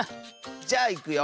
じゃあいくよ。